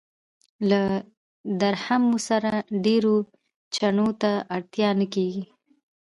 له درهمو سره ډېرو چنو ته اړتیا نه کېږي.